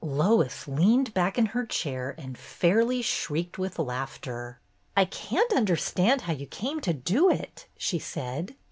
Lois leaned back in her chair and fairly shrieked with laughter. "I can't understand how you came to do it," she said.